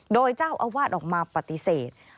โดยเจ้าอาวาสออกมาปฏิเสธ